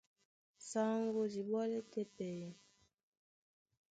Saŋgó dí ɓɔ́lɛ́ tɛ́ pɛyɛ,